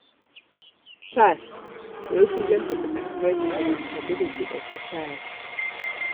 Thus, he represented a threat to the stability of society.